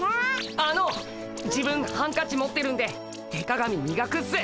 あの自分ハンカチ持ってるんで手鏡みがくっす。